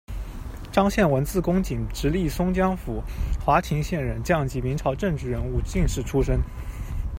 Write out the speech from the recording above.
章宪文，字公觐，直隶松江府华亭县人，匠籍，明朝政治人物、进士出身。